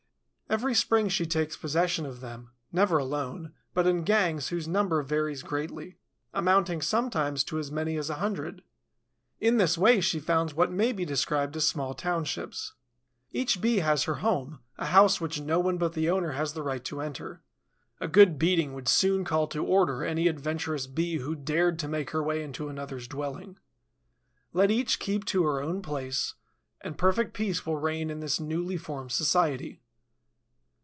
Every spring she takes possession of them, never alone, but in gangs whose number varies greatly, amounting sometimes to as many as a hundred. In this way she founds what may be described as small townships. Each Bee has her home, a house which no one but the owner has the right to enter. A good beating would soon call to order any adventuress Bee who dared to make her way into another's dwelling. Let each keep to her own place and perfect peace will reign in this new formed society.